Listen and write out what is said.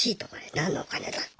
何のお金だって。